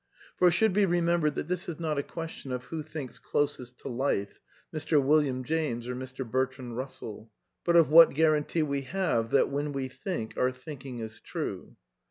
For it should be remembered that this is not a question of who thinks closest to life, Mr. William James or Mr. Bertrand Russell, but of what guarantee we have thftir\ when we think our thinking is true.